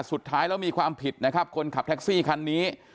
สุดท้ายแล้วมีความผิดนะครับคนขับแท็กซี่คันนี้